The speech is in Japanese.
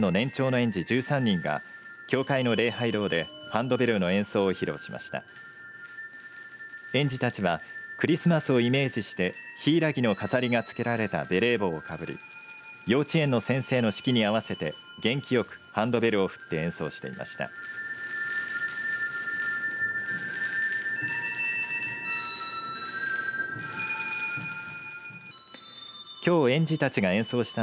園児たちはクリスマスをイメージしてヒイラギの飾りがつけられたベレー帽をかぶり幼稚園の先生の指揮に合わせて元気よくハンドベルを振って演奏していました。